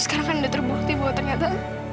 sekarang kan udah terbukti bahwa ternyata